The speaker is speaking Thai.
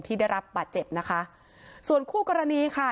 ได้รับบาดเจ็บนะคะส่วนคู่กรณีค่ะ